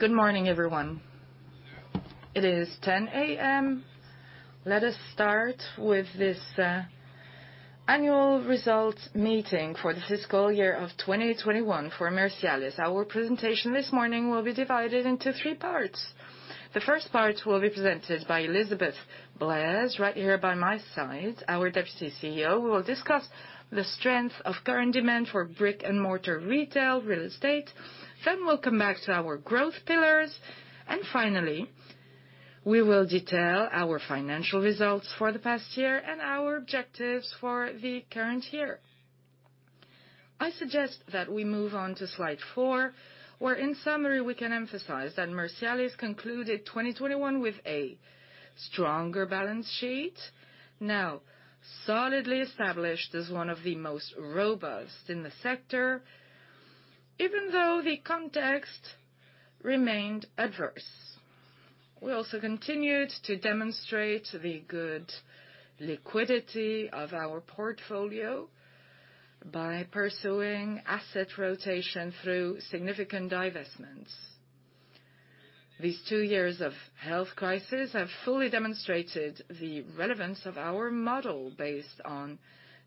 Good morning, everyone. It is 10 A.M. Let us start with this annual results meeting for the fiscal year 2021 for Mercialys. Our presentation this morning will be divided into three parts. The first part will be presented by Elizabeth Blaise, right here by my side, our Deputy CEO, who will discuss the strength of current demand for brick and mortar retail real estate. We'll come back to our growth pillars, and finally, we will detail our financial results for the past year and our objectives for the current year. I suggest that we move on to slide four, where in summary, we can emphasize that Mercialys concluded 2021 with a stronger balance sheet, now solidly established as one of the most robust in the sector, even though the context remained adverse. We also continued to demonstrate the good liquidity of our portfolio by pursuing asset rotation through significant divestments. These two years of health crisis have fully demonstrated the relevance of our model based on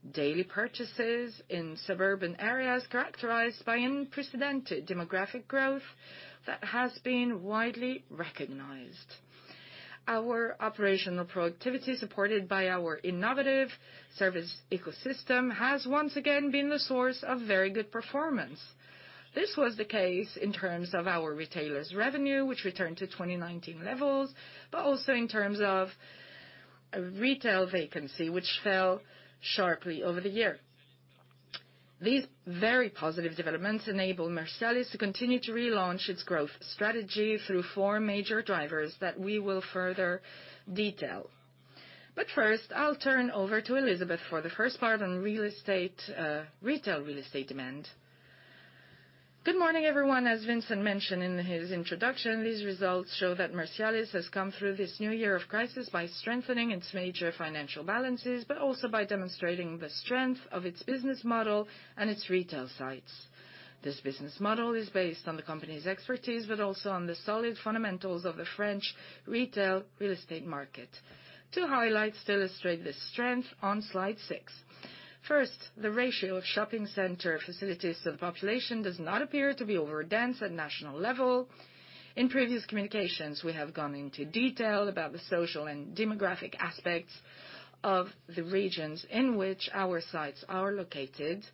daily purchases in suburban areas characterized by unprecedented demographic growth that has been widely recognized. Our operational productivity, supported by our innovative service ecosystem, has once again been the source of very good performance. This was the case in terms of our retailers' revenue, which returned to 2019 levels, but also in terms of retail vacancy, which fell sharply over the year. These very positive developments enable Mercialys to continue to relaunch its growth strategy through four major drivers that we will further detail. First, I'll turn over to Elizabeth for the first part on real estate, retail real estate demand. Good morning, everyone. As Vincent mentioned in his introduction, these results show that Mercialys has come through this new year of crisis by strengthening its major financial balances, but also by demonstrating the strength of its business model and its retail sites. This business model is based on the company's expertise, but also on the solid fundamentals of the French retail real estate market. Two highlights to illustrate this strength on slide six. First, the ratio of shopping center facilities to the population does not appear to be overdense at national level. In previous communications, we have gone into detail about the social and demographic aspects of the regions in which our sites are located.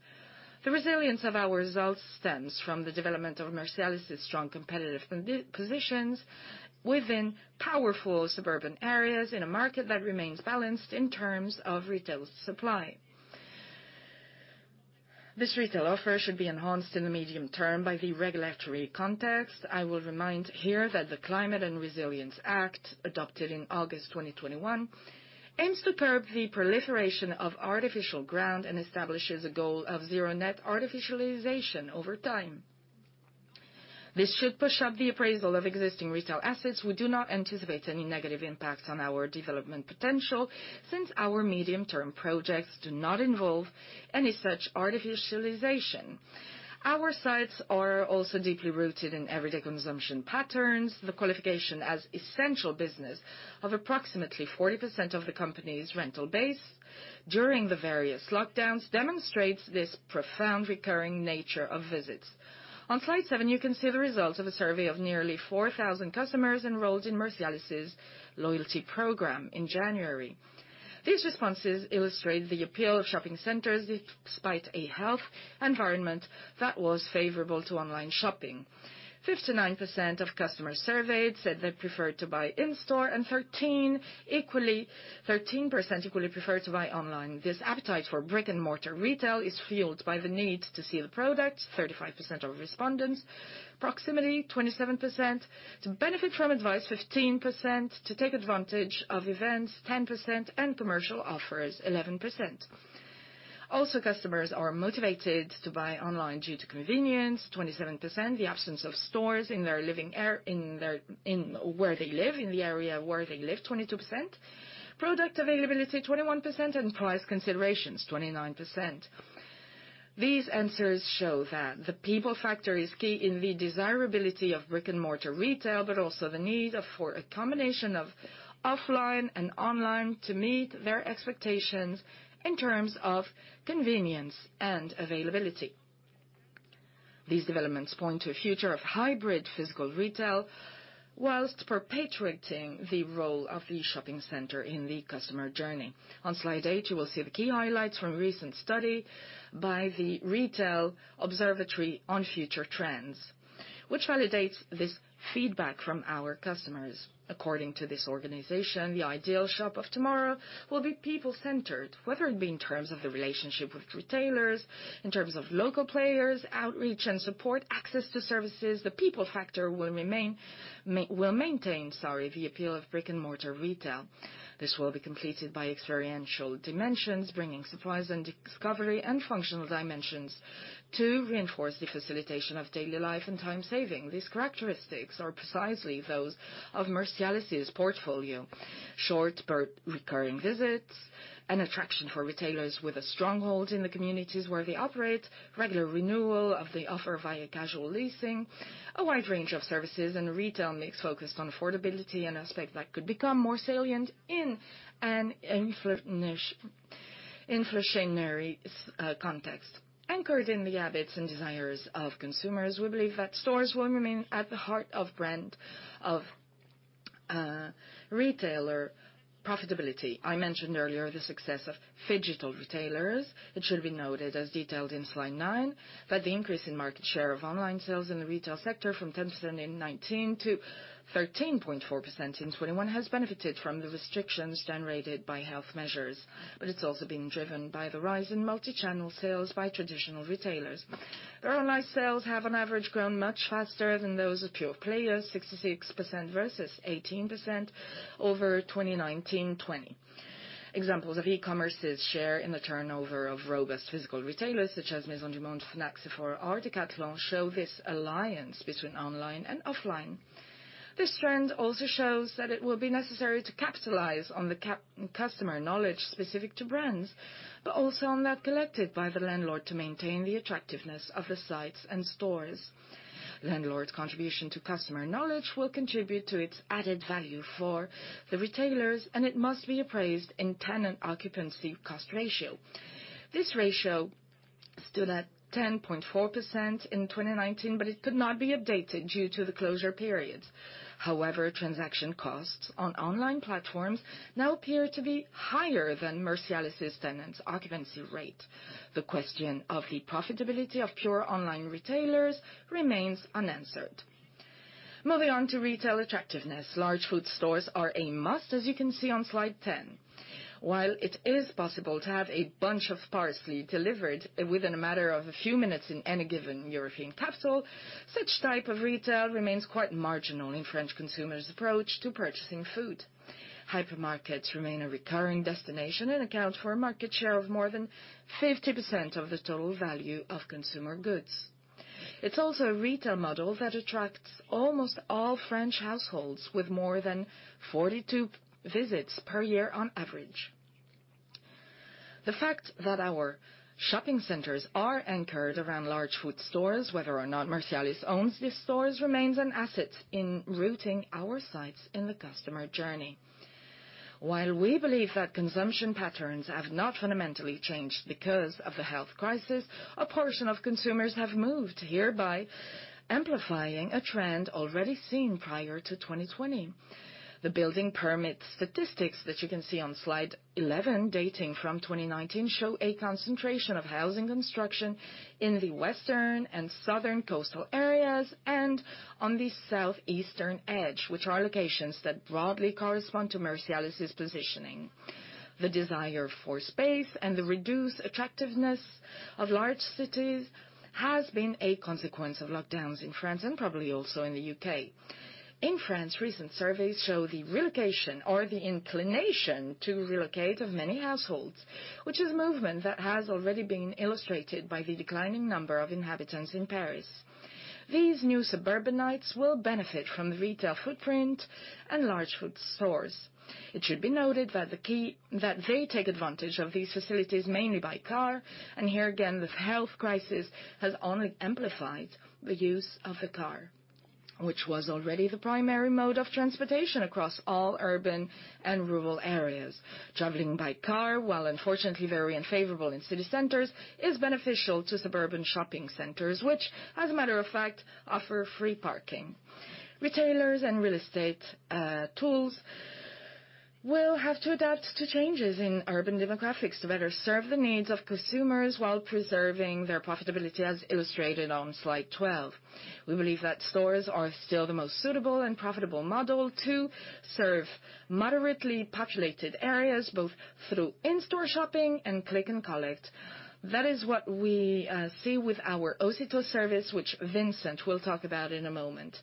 The resilience of our results stems from the development of Mercialys' strong competitive positions within powerful suburban areas in a market that remains balanced in terms of retail supply. This retail offer should be enhanced in the medium term by the regulatory context. I will remind here that the Climate and Resilience Act, adopted in August 2021, aims to curb the proliferation of artificial ground and establishes a goal of zero net artificialization over time. This should push up the appraisal of existing retail assets. We do not anticipate any negative impacts on our development potential since our medium-term projects do not involve any such artificialization. Our sites are also deeply rooted in everyday consumption patterns. The qualification as essential business of approximately 40% of the company's rental base during the various lockdowns demonstrates this profound recurring nature of visits. On slide seven, you can see the results of a survey of nearly 4,000 customers enrolled in Mercialys' loyalty program in January. These responses illustrate the appeal of shopping centers despite a health environment that was favorable to online shopping. 59% of customers surveyed said they preferred to buy in-store, and 13% equally preferred to buy online. This appetite for brick-and-mortar retail is fueled by the need to see the product, 35% of respondents, proximity, 27%, to benefit from advice, 15%, to take advantage of events, 10%, and commercial offers, 11%. Also, customers are motivated to buy online due to convenience, 27%, the absence of stores in the area where they live, 22%, product availability, 21%, and price considerations, 29%. These answers show that the people factor is key in the desirability of brick-and-mortar retail, but also the need for a combination of offline and online to meet their expectations in terms of convenience and availability. These developments point to a future of hybrid physical retail whilst perpetuating the role of the shopping center in the customer journey. On slide eight, you will see the key highlights from a recent study by the Retail Observatory on Future Trends, which validates this feedback from our customers. According to this organization, the ideal shop of tomorrow will be people-centered, whether it be in terms of the relationship with retailers, in terms of local players, outreach, and support, access to services. The people factor will maintain the appeal of brick-and-mortar retail. This will be completed by experiential dimensions, bringing surprise and discovery and functional dimensions to reinforce the facilitation of daily life and time saving. These characteristics are precisely those of Mercialys' portfolio. Short but recurring visits, an attraction for retailers with a stronghold in the communities where they operate, regular renewal of the offer via casual leasing, a wide range of services, and retail mix focused on affordability, an aspect that could become more salient in an inflationary context. Anchored in the habits and desires of consumers, we believe that stores will remain at the heart of brand of retailer profitability. I mentioned earlier the success of Phygital retailers. It should be noted, as detailed in slide nine, that the increase in market share of online sales in the retail sector from 10% in 2019 to 13.4% in 2021 has benefited from the restrictions generated by health measures. It's also been driven by the rise in multi-channel sales by traditional retailers. Their online sales have, on average, grown much faster than those of pure players, 66% versus 18% over 2019-2020. Examples of e-commerce's share in the turnover of robust physical retailers such as Maisons du Monde, Fnac, Sephora or Decathlon show this alliance between online and offline. This trend also shows that it will be necessary to capitalize on the customer knowledge specific to brands, but also on that collected by the landlord to maintain the attractiveness of the sites and stores. Landlord's contribution to customer knowledge will contribute to its added value for the retailers, and it must be appraised in tenant occupancy cost ratio. This ratio stood at 10.4% in 2019, but it could not be updated due to the closure periods. However, transaction costs on online platforms now appear to be higher than Mercialys' tenants' occupancy rate. The question of the profitability of pure online retailers remains unanswered. Moving on to retail attractiveness. Large food stores are a must, as you can see on slide 10. While it is possible to have a bunch of parsley delivered within a matter of a few minutes in any given European capital, such type of retail remains quite marginal in French consumers' approach to purchasing food. Hypermarkets remain a recurring destination and account for a market share of more than 50% of the total value of consumer goods. It's also a retail model that attracts almost all French households with more than 42 visits per year on average. The fact that our shopping centers are anchored around large food stores, whether or not Mercialys owns these stores, remains an asset in routing our sites in the customer journey. While we believe that consumption patterns have not fundamentally changed because of the health crisis, a portion of consumers have moved, hereby amplifying a trend already seen prior to 2020. The building permit statistics that you can see on slide 11, dating from 2019, show a concentration of housing construction in the western and southern coastal areas and on the southeastern edge, which are locations that broadly correspond to Mercialys' positioning. The desire for space and the reduced attractiveness of large cities has been a consequence of lockdowns in France and probably also in the U.K. In France, recent surveys show the relocation or the inclination to relocate of many households, which is movement that has already been illustrated by the declining number of inhabitants in Paris. These new suburbanites will benefit from the retail footprint and large food stores. It should be noted that they take advantage of these facilities mainly by car, and here again, this health crisis has only amplified the use of the car, which was already the primary mode of transportation across all urban and rural areas. Traveling by car, while unfortunately very unfavorable in city centers, is beneficial to suburban shopping centers, which, as a matter of fact, offer free parking. Retailers and real estate tools will have to adapt to changes in urban demographics to better serve the needs of consumers while preserving their profitability, as illustrated on slide 12. We believe that stores are still the most suitable and profitable model to serve moderately populated areas, both through in-store shopping and click and collect. That is what we see with our Ocitô service, which Vincent will talk about in a moment.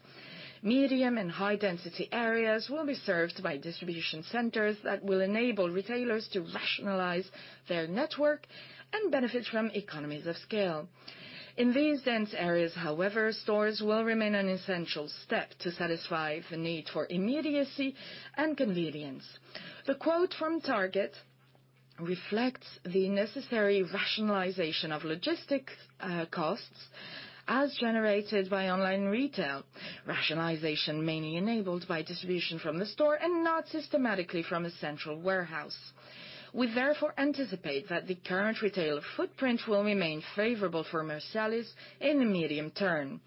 Medium and high density areas will be served by distribution centers that will enable retailers to rationalize their network and benefit from economies of scale. In these dense areas, however, stores will remain an essential step to satisfy the need for immediacy and convenience. The quote from Target reflects the necessary rationalization of logistics costs as generated by online retail. Rationalization mainly enabled by distribution from the store and not systematically from a central warehouse. We therefore anticipate that the current retail footprint will remain favorable for Mercialys in the medium term.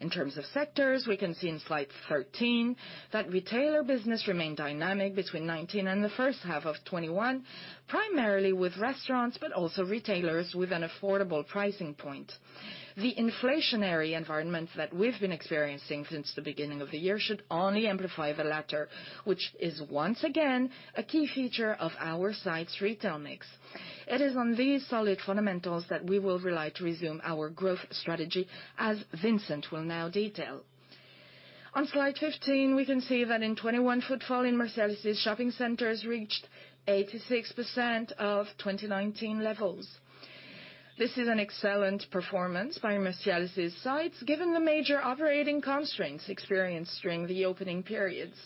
In terms of sectors, we can see in slide 13 that retailer business remained dynamic between 2019 and the first half of 2021, primarily with restaurants, but also retailers with an affordable pricing point. The inflationary environment that we've been experiencing since the beginning of the year should only amplify the latter, which is once again a key feature of our site's retail mix. It is on these solid fundamentals that we will rely to resume our growth strategy, as Vincent will now detail. On slide 15, we can see that in 2021, footfall in Mercialys' shopping centers reached 86% of 2019 levels. This is an excellent performance by Mercialys' sites, given the major operating constraints experienced during the opening periods,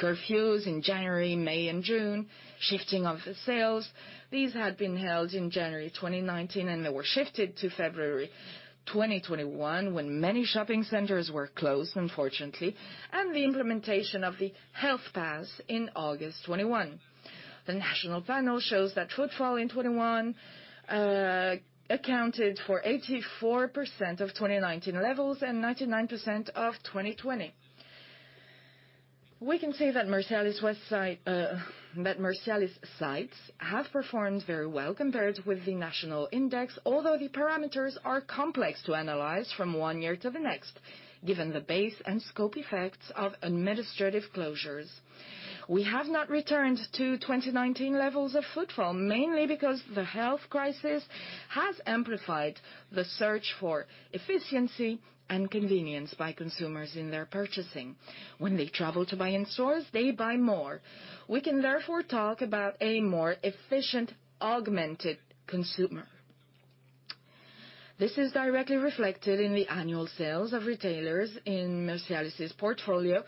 curfews in January, May, and June, shifting of the sales. These had been held in January 2019, and they were shifted to February 2021, when many shopping centers were closed, unfortunately. The implementation of the health pass in August 2021. The national panel shows that footfall in 2021 accounted for 84% of 2019 levels and 99% of 2020. We can say that Mercialys west site, that Mercialys sites have performed very well compared with the national index. Although the parameters are complex to analyze from one year to the next, given the base and scope effects of administrative closures. We have not returned to 2019 levels of footfall, mainly because the health crisis has amplified the search for efficiency and convenience by consumers in their purchasing. When they travel to buy in stores, they buy more. We can therefore talk about a more efficient, augmented consumer. This is directly reflected in the annual sales of retailers in Mercialys' portfolio,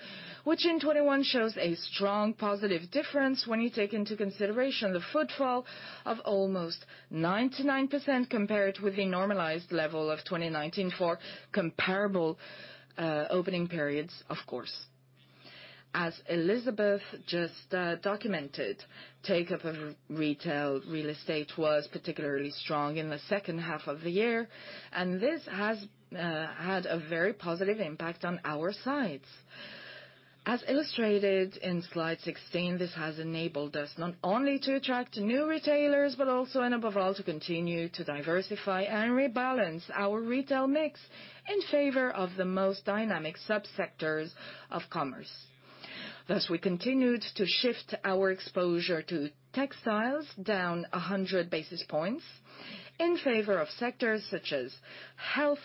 which in 2021 shows a strong positive difference when you take into consideration the footfall of almost 99% compared with the normalized level of 2019 for comparable opening periods, of course. As Elizabeth just documented, take up of retail real estate was particularly strong in the second half of the year, and this has had a very positive impact on our sites. As illustrated in slide 16, this has enabled us not only to attract new retailers, but also and above all, to continue to diversify and rebalance our retail mix in favor of the most dynamic sub-sectors of commerce. Thus, we continued to shift our exposure to textiles down 100 basis points in favor of sectors such as health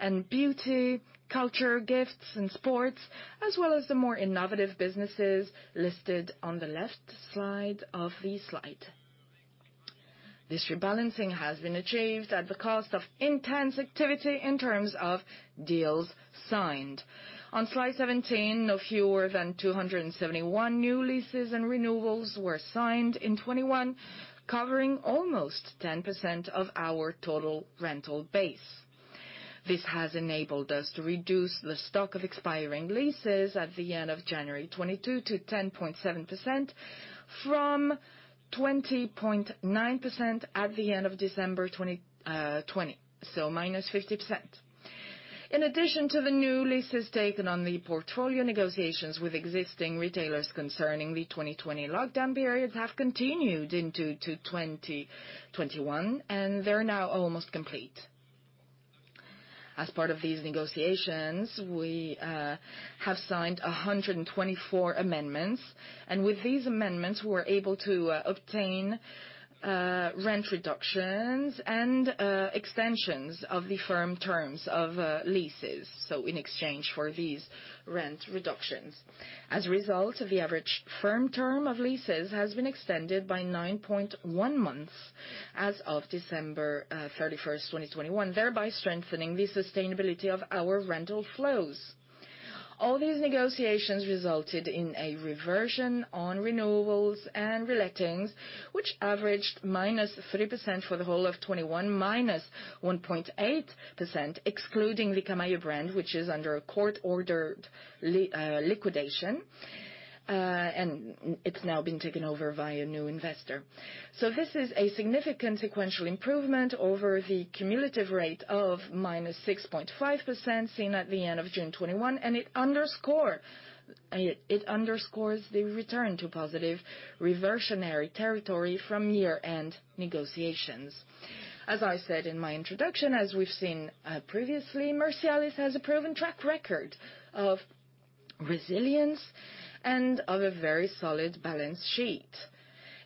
and beauty, culture, gifts and sports, as well as the more innovative businesses listed on the left side of the slide. This rebalancing has been achieved at the cost of intense activity in terms of deals signed. On slide 17, no fewer than 271 new leases and renewals were signed in 2021, covering almost 10% of our total rental base. This has enabled us to reduce the stock of expiring leases at the end of January 2022 to 10.7% from 20.9% at the end of December 2020, so -50%. In addition to the new leases taken on the portfolio, negotiations with existing retailers concerning the 2020 lockdown periods have continued into 2021, and they're now almost complete. As part of these negotiations, we have signed 124 amendments, and with these amendments, we were able to obtain rent reductions and extensions of the firm terms of leases so in exchange for these rent reductions. As a result, the average firm term of leases has been extended by 9.1 months as of December 31st, 2021, thereby strengthening the sustainability of our rental flows. All these negotiations resulted in a reversion on renewals and relettings, which averaged -3% for the whole of 2021, -1.8%, excluding the Camaïeu brand, which is under a court-ordered liquidation. It's now been taken over by a new investor. This is a significant sequential improvement over the cumulative rate of -6.5% seen at the end of June 2021, and it underscores the return to positive reversionary territory from year-end negotiations. As I said in my introduction, as we've seen previously, Mercialys has a proven track record of resilience and of a very solid balance sheet.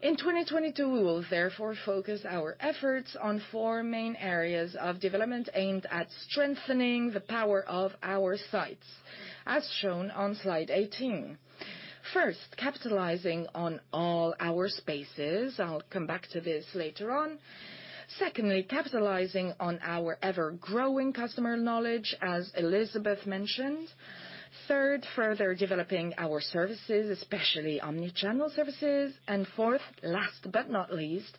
In 2022, we will therefore focus our efforts on four main areas of development aimed at strengthening the power of our sites, as shown on slide 18. First, capitalizing on all our spaces. I'll come back to this later on. Secondly, capitalizing on our ever-growing customer knowledge, as Elizabeth mentioned. Third, further developing our services, especially omni-channel services. Fourth, last but not least,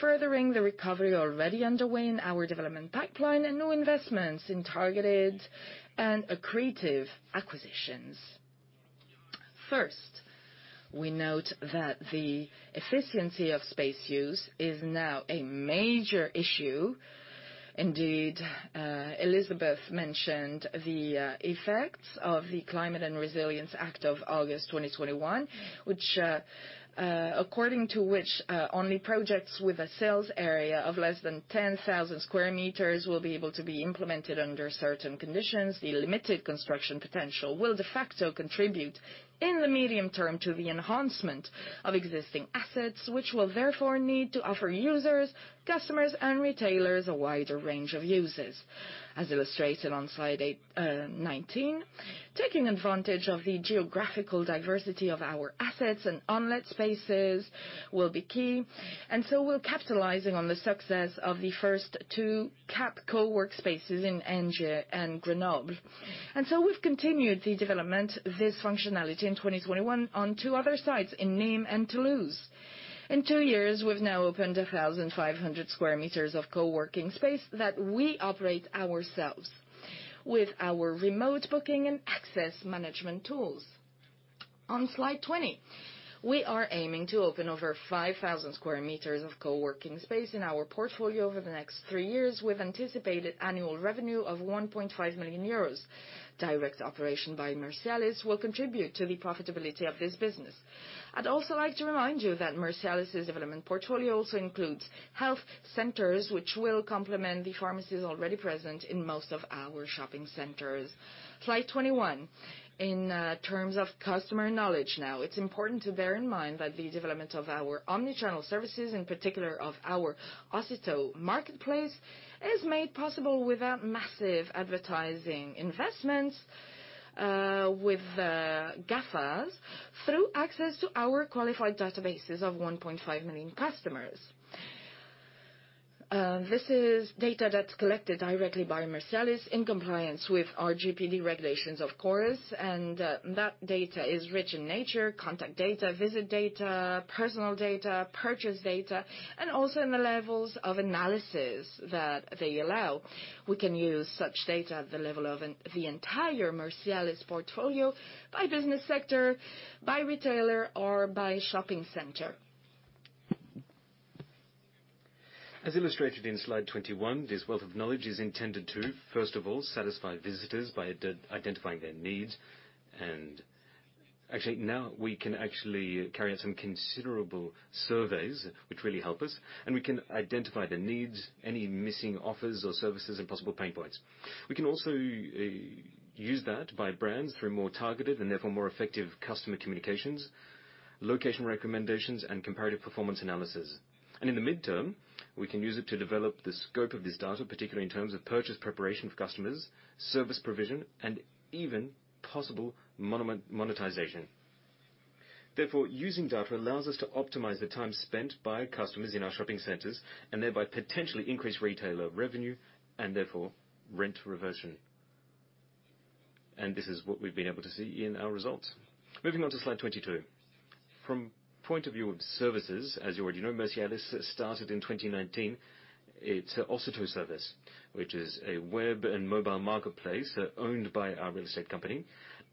furthering the recovery already underway in our development pipeline and new investments in targeted and accretive acquisitions. First, we note that the efficiency of space use is now a major issue. Indeed, Elizabeth mentioned the effects of the Climate and Resilience Act of August 2021, which, according to which, only projects with a sales area of less than 10,000 sq m will be able to be implemented under certain conditions. The limited construction potential will de facto contribute in the medium term to the enhancement of existing assets, which will therefore need to offer users, customers and retailers a wider range of uses. As illustrated on slide eight, 19, taking advantage of the geographical diversity of our assets and unlet spaces will be key. We're capitalizing on the success of the first two Cap Cowork spaces in Angers and Grenoble. We've continued the development of this functionality in 2021 on two other sites in Nîmes and Toulouse. In two years, we've now opened 1,500 sq m of coworking space that we operate ourselves with our remote booking and access management tools. On slide 20, we are aiming to open over 5,000 sq m of coworking space in our portfolio over the next three years, with anticipated annual revenue of 1.5 million euros. Direct operation by Mercialys will contribute to the profitability of this business. I'd also like to remind you that Mercialys' development portfolio also includes health centers, which will complement the pharmacies already present in most of our shopping centers. Slide 21. In terms of customer knowledge now, it's important to bear in mind that the development of our omni-channel services, in particular of our Ocitô marketplace, is made possible without massive advertising investments with the GAFAs through access to our qualified databases of 1.5 million customers. This is data that's collected directly by Mercialys in compliance with our GDPR regulations, of course, and that data is rich in nature, contact data, visit data, personal data, purchase data, and also in the levels of analysis that they allow. We can use such data at the level of the entire Mercialys portfolio by business sector, by retailer, or by shopping center. As illustrated in slide 21, this wealth of knowledge is intended to, first of all, satisfy visitors by identifying their needs. Actually, now we can actually carry out some considerable surveys which really help us, and we can identify the needs, any missing offers or services and possible pain points. We can also use that by brands through more targeted and therefore more effective customer communications, location recommendations, and comparative performance analysis. In the midterm, we can use it to develop the scope of this data, particularly in terms of purchase preparation of customers, service provision, and even possible monetization. Therefore, using data allows us to optimize the time spent by customers in our shopping centers and thereby potentially increase retailer revenue and therefore rent reversion. This is what we've been able to see in our results. Moving on to slide 22. From the point of view of services, as you already know, Mercialys started in 2019 its Ocitô service, which is a web and mobile marketplace owned by our real estate company,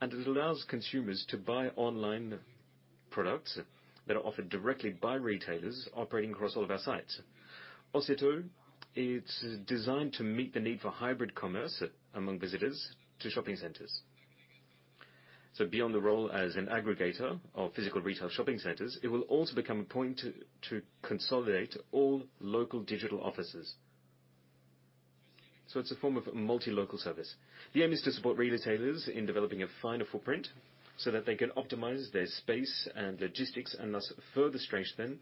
and it allows consumers to buy online products that are offered directly by retailers operating across all of our sites. Ocitô, it's designed to meet the need for hybrid commerce among visitors to shopping centers. Beyond the role as an aggregator of physical retail shopping centers, it will also become a point to consolidate all local digital offices. It's a form of multi-local service. The aim is to support retailers in developing a finer footprint so that they can optimize their space and logistics, and thus further strengthen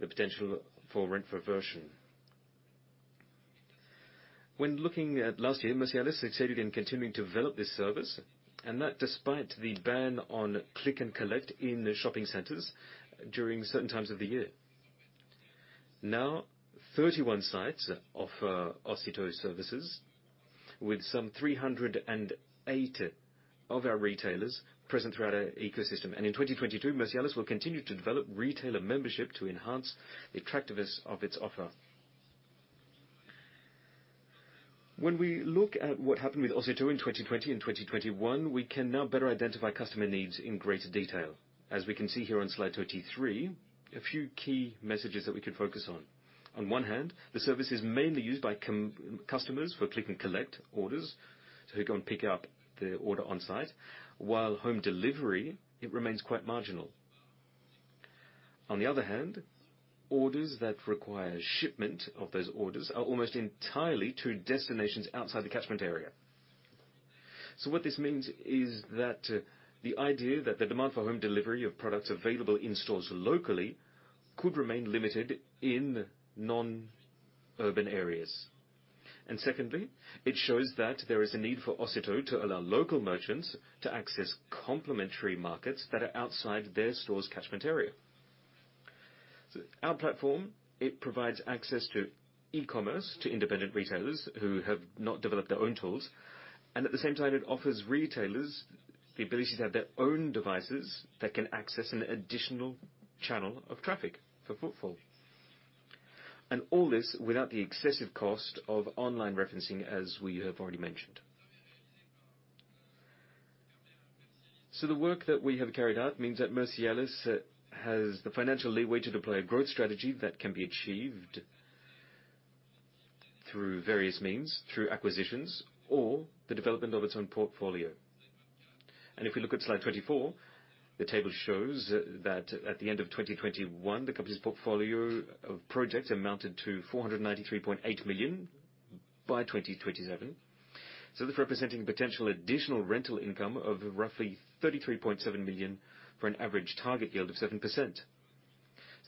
the potential for rent reversion. When looking at last year, Mercialys succeeded in continuing to develop this service, and that despite the ban on click and collect in the shopping centers during certain times of the year. Now, 31 sites offer Ocitô services with some 380 of our retailers present throughout our ecosystem. In 2022, Mercialys will continue to develop retailer membership to enhance the attractiveness of its offer. When we look at what happened with Ocitô in 2020 and 2021, we can now better identify customer needs in greater detail. As we can see here on slide 23, a few key messages that we can focus on. On one hand, the service is mainly used by customers for click and collect orders, so they go and pick up their order on site, while home delivery, it remains quite marginal. On the other hand, orders that require shipment of those orders are almost entirely to destinations outside the catchment area. What this means is that the idea that the demand for home delivery of products available in stores locally could remain limited in non-urban areas. Secondly, it shows that there is a need for Ocitô to allow local merchants to access complementary markets that are outside their store's catchment area. Our platform, it provides access to e-commerce to independent retailers who have not developed their own tools, and at the same time, it offers retailers the ability to have their own devices that can access an additional channel of traffic for footfall. All this without the excessive cost of online referencing, as we have already mentioned. The work that we have carried out means that Mercialys has the financial leeway to deploy a growth strategy that can be achieved through various means, through acquisitions or the development of its own portfolio. If we look at slide 24, the table shows that at the end of 2021, the company's portfolio of projects amounted to 493.8 million by 2027. This representing potential additional rental income of roughly 33.7 million for an average target yield of 7%.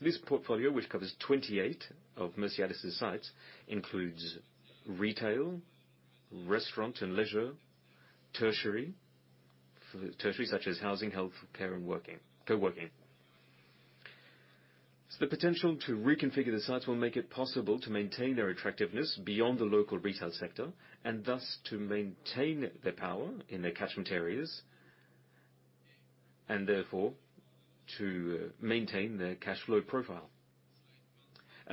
This portfolio, which covers 28 of Mercialys' sites, includes retail, restaurant and leisure, tertiary. For the tertiary, such as housing, healthcare, and co-working. The potential to reconfigure the sites will make it possible to maintain their attractiveness beyond the local retail sector, and thus to maintain their power in their catchment areas. Therefore, to maintain the cash flow profile.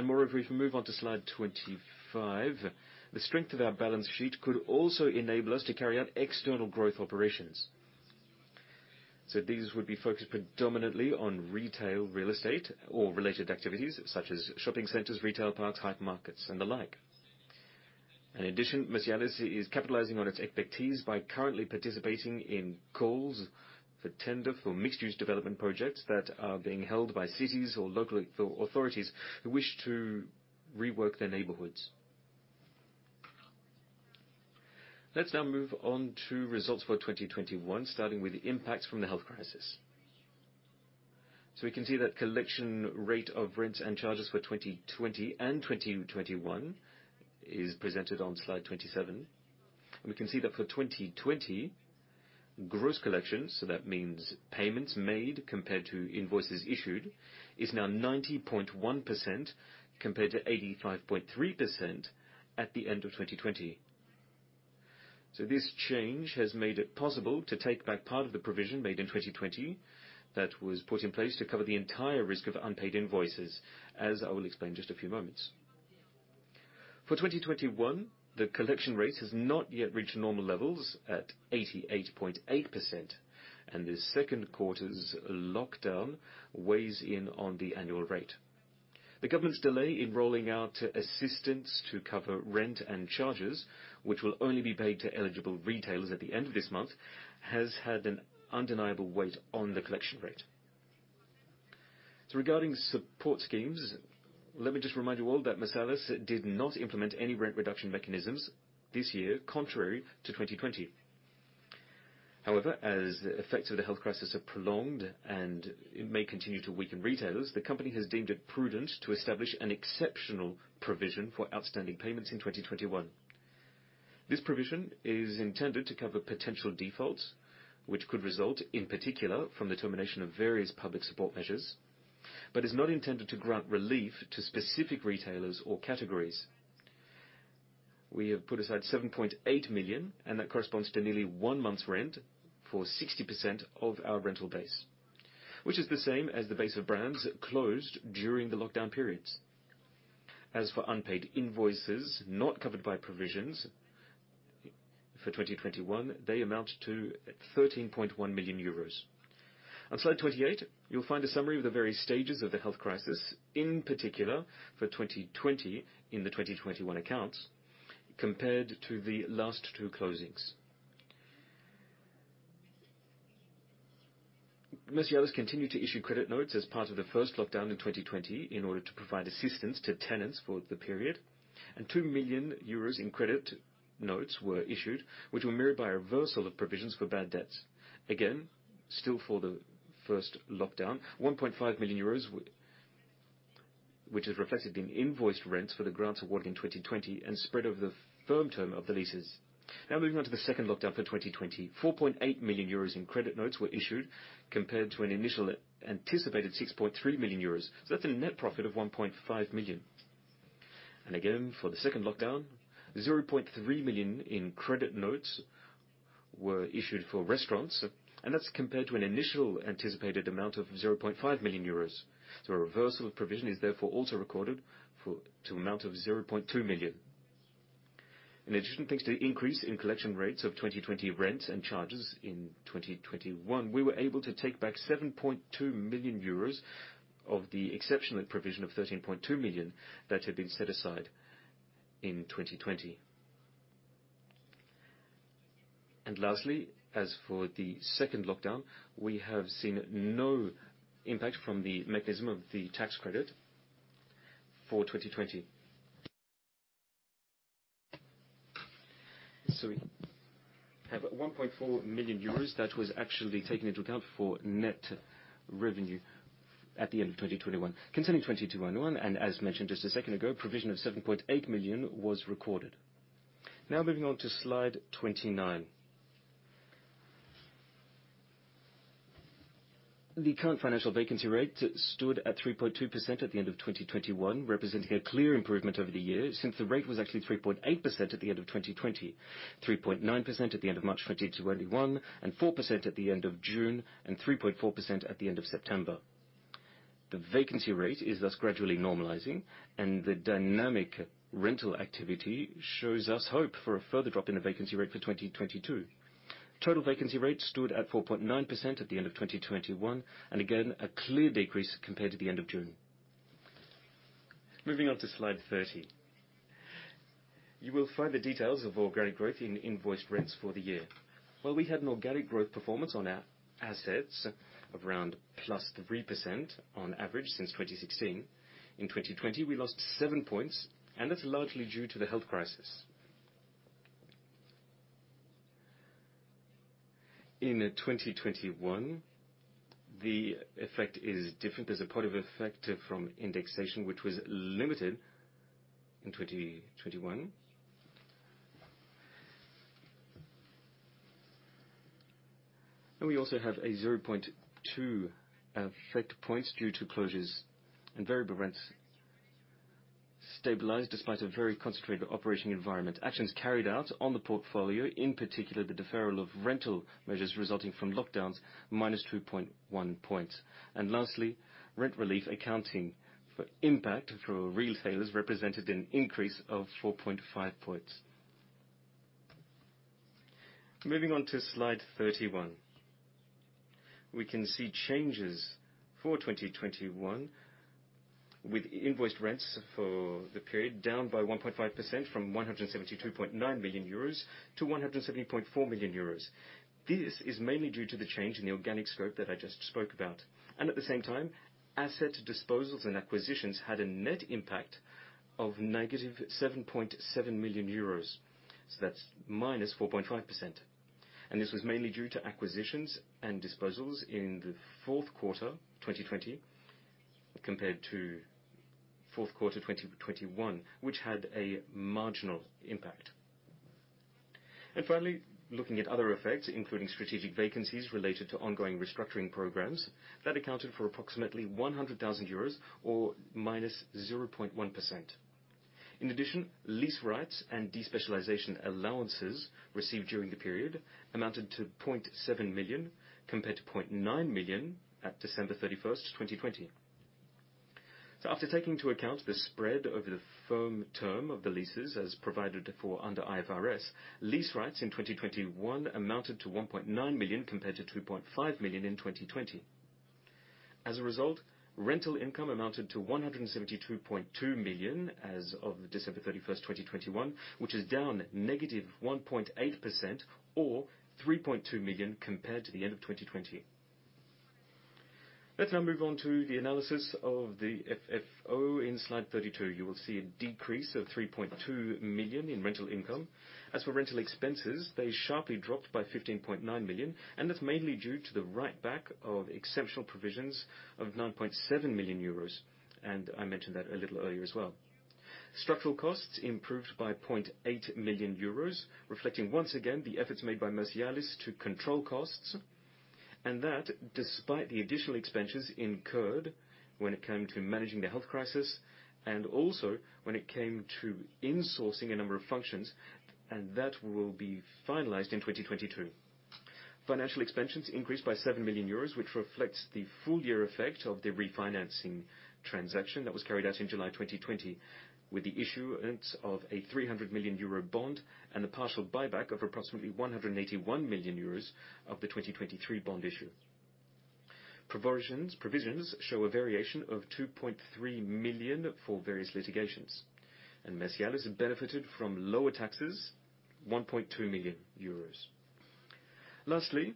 Moreover, if we move on to slide 25, the strength of our balance sheet could also enable us to carry out external growth operations. These would be focused predominantly on retail, real estate, or related activities such as shopping centers, retail parks, hypermarkets, and the like. In addition, Mercialys is capitalizing on its expertise by currently participating in calls for tender for mixed-use development projects that are being held by cities or local authorities who wish to rework their neighborhoods. Let's now move on to results for 2021, starting with the impacts from the health crisis. We can see that collection rate of rents and charges for 2020 and 2021 is presented on slide 27. We can see that for 2020, gross collections, so that means payments made compared to invoices issued, is now 90.1% compared to 85.3% at the end of 2020. This change has made it possible to take back part of the provision made in 2020 that was put in place to cover the entire risk of unpaid invoices, as I will explain just a few moments. For 2021, the collection rate has not yet reached normal levels at 88.8%, and the second quarter's lockdown weighs in on the annual rate. The government's delay in rolling out assistance to cover rent and charges, which will only be paid to eligible retailers at the end of this month, has had an undeniable weight on the collection rate. Regarding support schemes, let me just remind you all that Mercialys did not implement any rent reduction mechanisms this year, contrary to 2020. However, as the effects of the health crisis are prolonged and it may continue to weaken retailers, the company has deemed it prudent to establish an exceptional provision for outstanding payments in 2021. This provision is intended to cover potential defaults, which could result, in particular, from the termination of various public support measures, but is not intended to grant relief to specific retailers or categories. We have put aside 7.8 million, and that corresponds to nearly one month's rent for 60% of our rental base, which is the same as the base of brands closed during the lockdown periods. As for unpaid invoices not covered by provisions for 2021, they amount to 13.1 million euros. On slide 28, you'll find a summary of the various stages of the health crisis, in particular for 2020 in the 2021 accounts, compared to the last two closings. Mercialys continued to issue credit notes as part of the first lockdown in 2020 in order to provide assistance to tenants for the period, and 2 million euros in credit notes were issued, which were mirrored by a reversal of provisions for bad debts. Again, still for the first lockdown, 1.5 million euros, which is reflected in invoiced rents for the grants awarded in 2020 and spread over the firm term of the leases. Now moving on to the second lockdown for 2020. 4.8 million euros in credit notes were issued compared to an initial anticipated 6.3 million euros. That's a net profit of 1.5 million. Again, for the second lockdown, 0.3 million in credit notes were issued for restaurants, and that's compared to an initial anticipated amount of 0.5 million euros. A reversal of provision is therefore also recorded for an amount of 0.2 million. In addition, thanks to increase in collection rates of 2020 rents and charges in 2021, we were able to take back 7.2 million euros of the exceptional provision of 13.2 million that had been set aside in 2020. Lastly, as for the second lockdown, we have seen no impact from the mechanism of the tax credit for 2020. We have 1.4 million euros that was actually taken into account for net revenue at the end of 2021. Concerning 2021, and as mentioned just a second ago, provision of 7.8 million was recorded. Now moving on to slide 29. The current financial vacancy rate stood at 3.2% at the end of 2021, representing a clear improvement over the years since the rate was actually 3.8% at the end of 2020, 3.9% at the end of March 2021, and 4% at the end of June, and 3.4% at the end of September. The vacancy rate is thus gradually normalizing, and the dynamic rental activity shows us hope for a further drop in the vacancy rate for 2022. Total vacancy rate stood at 4.9% at the end of 2021, and again, a clear decrease compared to the end of June. Moving on to slide 30. You will find the details of organic growth in invoiced rents for the year. While we had an organic growth performance on our assets of around +3% on average since 2016, in 2020 we lost seven points, and that's largely due to the health crisis. In 2021, the effect is different. There's a positive effect from indexation, which was limited in 2021. We also have a 0.2 effect points due to closures and variable rents stabilized despite a very concentrated operating environment. Actions carried out on the portfolio, in particular, the deferral of rental measures resulting from lockdowns, -2.1 points. Lastly, rent relief accounting for impact for retailers represented an increase of 4.5 points. Moving on to slide 31. We can see changes for 2021 with invoiced rents for the period down by 1.5% from 172.9 million euros to 170.4 million euros. This is mainly due to the change in the organic scope that I just spoke about, and at the same time, asset disposals and acquisitions had a net impact of -7.7 million euros. That's -4.5%. This was mainly due to acquisitions and disposals in the fourth quarter 2020 compared to fourth quarter 2021, which had a marginal impact. Finally, looking at other effects, including strategic vacancies related to ongoing restructuring programs that accounted for approximately 100,000 euros or -0.1%. In addition, lease rights and despecialization allowances received during the period amounted to 0.7 million compared to 0.9 million at December 31st, 2020. After taking into account the spread over the firm term of the leases as provided for under IFRS, lease rights in 2021 amounted to 1.9 million compared to 2.5 million in 2020. As a result, rental income amounted to 172.2 million as of December 31st, 2021, which is down -1.8% or 3.2 million compared to the end of 2020. Let's now move on to the analysis of the FFO in slide 32. You will see a decrease of 3.2 million in rental income. As for rental expenses, they sharply dropped by 15.9 million, and that's mainly due to the write back of exceptional provisions of 9.7 million euros, and I mentioned that a little earlier as well. Structural costs improved by 0.8 million euros, reflecting once again the efforts made by Mercialys to control costs, and that despite the additional expenses incurred when it came to managing the health crisis and also when it came to insourcing a number of functions, and that will be finalized in 2022. Financial expenses increased by 7 million euros, which reflects the full year effect of the refinancing transaction that was carried out in July 2020, with the issuance of a 300 million euro bond and the partial buyback of approximately 181 million euros of the 2023 bond issue. Provisions show a variation of 2.3 million for various litigations, and Mercialys benefited from lower taxes, 1.2 million euros. Lastly,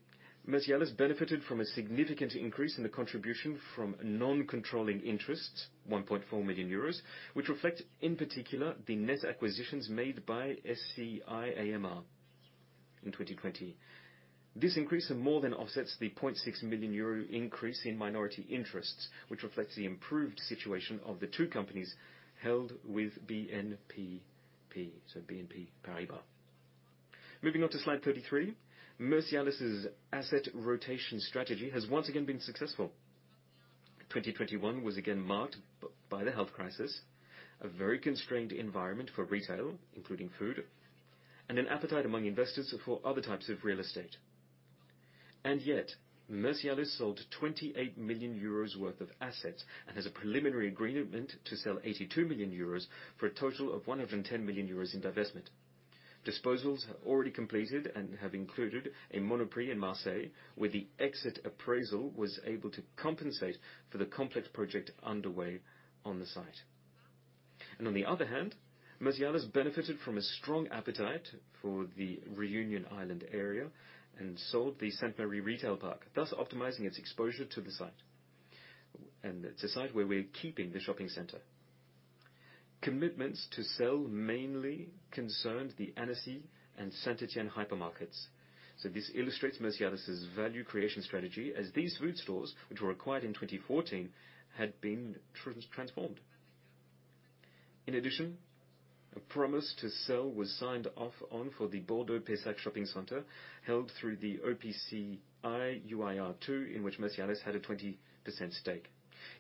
Mercialys benefited from a significant increase in the contribution from non-controlling interests, 1.4 million euros, which reflect, in particular, the net acquisitions made by SCI AMR in 2020. This increase more than offsets the 0.6 million euro increase in minority interests, which reflects the improved situation of the two companies held with BNPP, so BNP Paribas. Moving on to slide 33. Mercialys' asset rotation strategy has once again been successful. 2021 was again marked by the health crisis, a very constrained environment for retail, including food, and an appetite among investors for other types of real estate. Yet, Mercialys sold 28 million euros worth of assets and has a preliminary agreement to sell 82 million euros for a total of 110 million euros in divestment. Disposals have already completed and have included a Monoprix in Marseille, where the exit appraisal was able to compensate for the complex project underway on the site. On the other hand, Mercialys benefited from a strong appetite for the Réunion Island area and sold the Sainte-Marie Retail Park, thus optimizing its exposure to the site. It's a site where we're keeping the shopping center. Commitments to sell mainly concerned the Annecy and Saint-Étienne hypermarkets. This illustrates Mercialys' value creation strategy as these food stores, which were acquired in 2014, had been transformed. In addition, a promise to sell was signed off on for the Bordeaux Pessac shopping center, held through the OPCI UIR II, in which Mercialys had a 20% stake.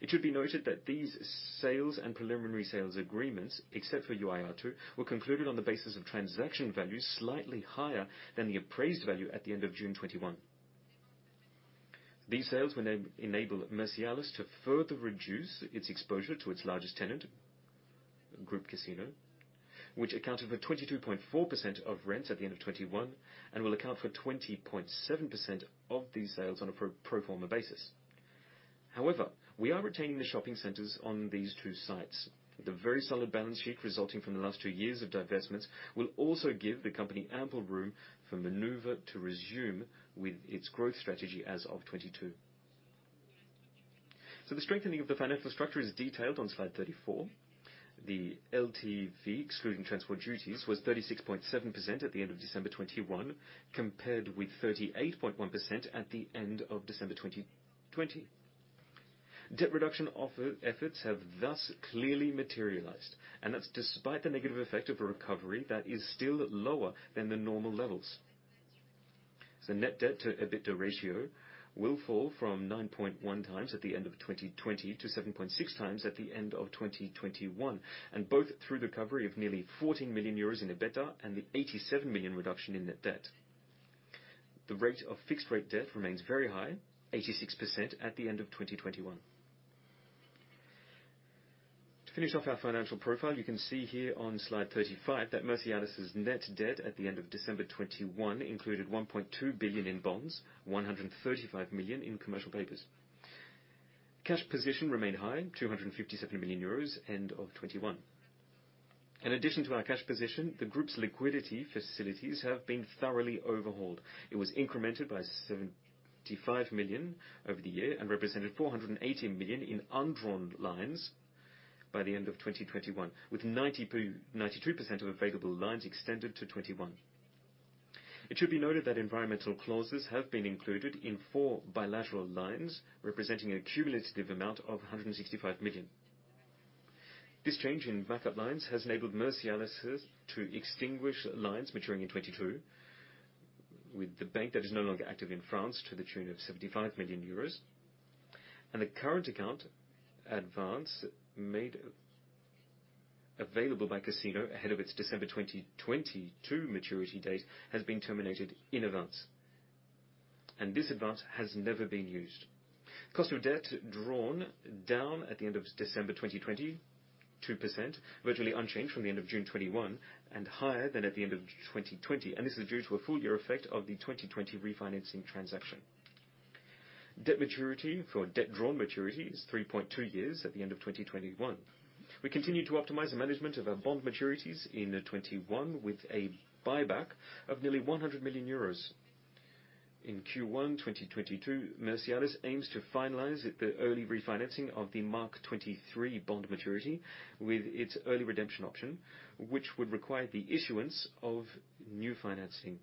It should be noted that these sales and preliminary sales agreements, except for UIR II, were concluded on the basis of transaction values slightly higher than the appraised value at the end of June 2021. These sales will enable Mercialys to further reduce its exposure to its largest tenant, Groupe Casino, which accounted for 22.4% of rents at the end of 2021 and will account for 20.7% of these sales on a pro forma basis. However, we are retaining the shopping centers on these two sites. The very solid balance sheet resulting from the last two years of divestments will also give the company ample room for maneuver to resume with its growth strategy as of 2022. The strengthening of the financial structure is detailed on slide 34. The LTV, excluding transfer duties, was 36.7% at the end of December 2021, compared with 38.1% at the end of December 2020. Debt reduction efforts have thus clearly materialized, and that's despite the negative effect of a recovery that is still lower than the normal levels. Net debt to EBITDA ratio will fall from 9.1x at the end of 2020 to 7.6x at the end of 2021, and both through the recovery of nearly 14 million euros in EBITDA and the 87 million reduction in net debt. The rate of fixed rate debt remains very high, 86% at the end of 2021. To finish off our financial profile, you can see here on slide 35 that Mercialys' net debt at the end of December 2021 included 1.2 billion in bonds, 135 million in commercial papers. Cash position remained high, 257 million euros end of 2021. In addition to our cash position, the group's liquidity facilities have been thoroughly overhauled. It was incremented by 75 million over the year and represented 480 million in undrawn lines by the end of 2021, with 92% of available lines extended to 2021. It should be noted that environmental clauses have been included in four bilateral lines, representing a cumulative amount of 165 million. This change in backup lines has enabled Mercialys to extinguish lines maturing in 2022 with the bank that is no longer active in France to the tune of 75 million euros. The current account advance made available by Casino ahead of its December 2022 maturity date has been terminated in advance, and this advance has never been used. Cost of debt drawn down at the end of December 2020, 2%, virtually unchanged from the end of June 2021 and higher than at the end of 2020, and this is due to a full year effect of the 2020 refinancing transaction. Debt maturity for debt drawn maturity is 3.2 years at the end of 2021. We continue to optimize the management of our bond maturities in 2021 with a buyback of nearly 100 million euros. In Q1 2022, Mercialys aims to finalize the early refinancing of the March 2023 bond maturity with its early redemption option, which would require the issuance of new financing.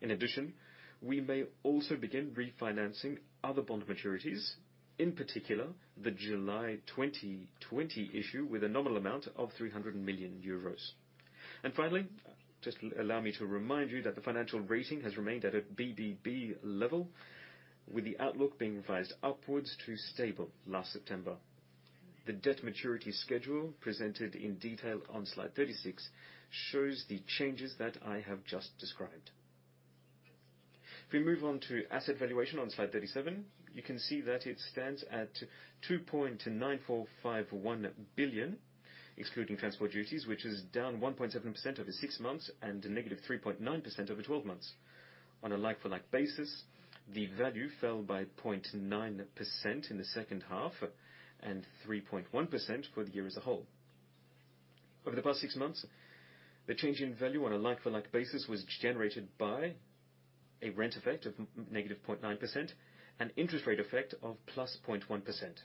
In addition, we may also begin refinancing other bond maturities, in particular the July 2020 issue with a nominal amount of 300 million euros. Finally, just allow me to remind you that the financial rating has remained at a BBB level, with the outlook being revised upwards to stable last September. The debt maturity schedule presented in detail on slide 36 shows the changes that I have just described. If we move on to asset valuation on slide 37, you can see that it stands at 2.9451 billion, excluding transport duties, which is down 1.7% over six months and a negative 3.9% over 12 months. On a like-for-like basis, the value fell by 0.9% in the second half and 3.1% for the year as a whole. Over the past six months, the change in value on a like-for-like basis was generated by a rent effect of -0.9% and interest rate effect of +0.1%.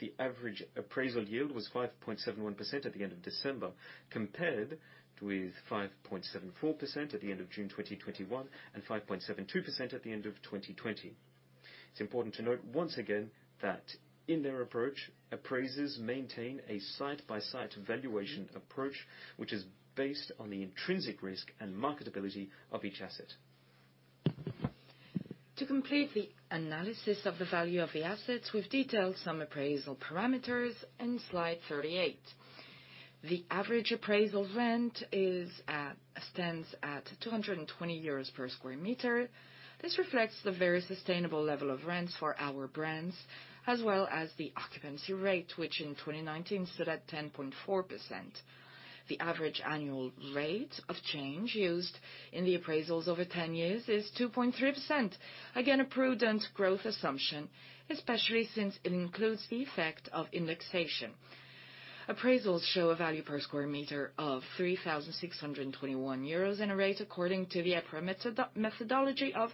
The average appraisal yield was 5.71% at the end of December, compared with 5.74% at the end of June 2021 and 5.72% at the end of 2020. It's important to note once again that in their approach, appraisers maintain a site-by-site valuation approach, which is based on the intrinsic risk and marketability of each asset. To complete the analysis of the value of the assets, we've detailed some appraisal parameters in slide 38. The average appraisal rent stands at 220 euros per sq m. This reflects the very sustainable level of rents for our brands, as well as the occupancy rate, which in 2019 stood at 10.4%. The average annual rate of change used in the appraisals over 10 years is 2.3%. Again, a prudent growth assumption, especially since it includes the effect of indexation. Appraisals show a value per square meter of 3,621 euros and a rate according to the EPRA methodology of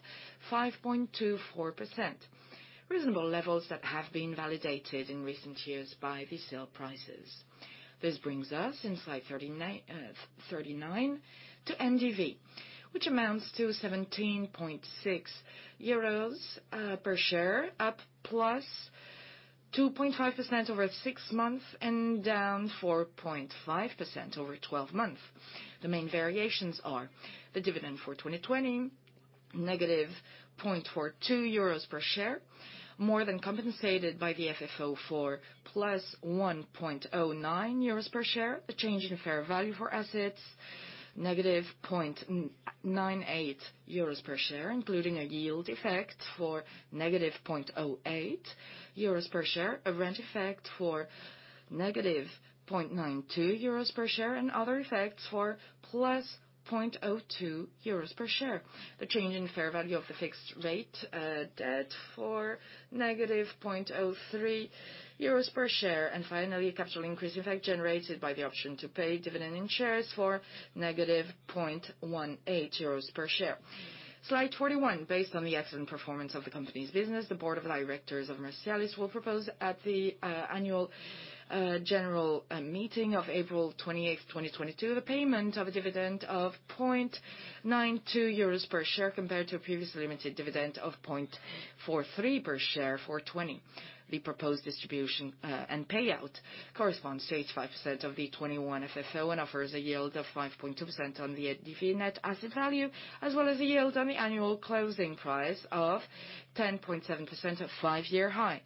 5.24%, reasonable levels that have been validated in recent years by the sale prices. This brings us in slide 39 to NDV, which amounts to 17.6 euros per share, up +2.5% over six months and down 4.5% over 12 months. The main variations are the dividend for 2020, -0.42 euros per share, more than compensated by the FFO for +1.09 euros per share, a change in fair value for assets -0.98 euros per share, including a yield effect for -0.08 euros per share, a rent effect for -0.92 EUR per share, and other effects for +0.02 euros per share. The change in fair value of the fixed-rate debt for -0.03 euros per share. Finally, capital increase effect generated by the option to pay dividend in shares for -0.18 euros per share. Slide 41, based on the excellent performance of the company's business, the board of directors of Mercialys will propose at the annual general meeting of April 28th, 2022, the payment of a dividend of 0.92 euros per share compared to a previously limited dividend of 0.43 per share for 2020. The proposed distribution and payout corresponds to 85% of the 2021 FFO and offers a yield of 5.2% on the NDV net asset value, as well as a yield on the annual closing price of 10.7%, a five-year high.